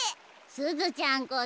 すずちゃんこそ。